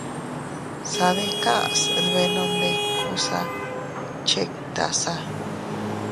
Sadikas dbenondikusa chiktasa.